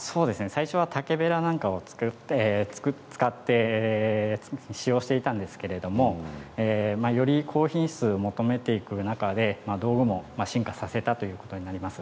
最初は竹べらを使用していたんですけれどもより高品質が求められる中で道具も進化させたということになります。